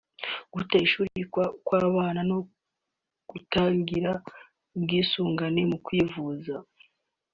guta ishuri kw’abana no kutagira ubwisungane mu kwivuza